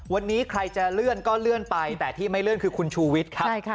วันนี้ใครจะเลื่อนก็เลื่อนไปแต่ที่ไม่เลื่อนคือคุณชูวิทย์ครับ